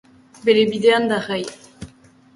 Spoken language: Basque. Bere bidean darrai.